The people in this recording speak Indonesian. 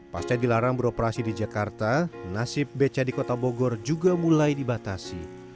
pasca dilarang beroperasi di jakarta nasib beca di kota bogor juga mulai dibatasi